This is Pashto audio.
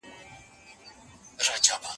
که هر څوک خپل مسؤلیت وپېژني، ستونزې به حل شي.